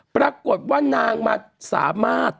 ปรากฏว่านางมาสามารถ